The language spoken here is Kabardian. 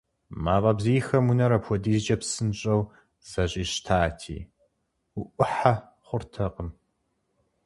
Мафӏэ бзийхэм унэр апхуэдизкӏэ псынщӏэу зэщӏищтати, уӏухьэ хъуртэкъым.